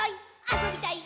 あそびたい！」